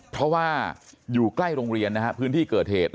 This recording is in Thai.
เพราะว่าอยู่ใกล้โรงเรียนนะฮะพื้นที่เกิดเหตุ